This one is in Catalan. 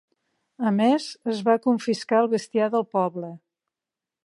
A més, es va confiscar el bestiar del poble.